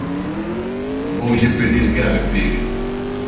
Voulle pedir que a retire.